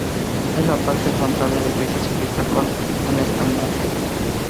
En la parte frontal de la iglesia se ubica una espadaña.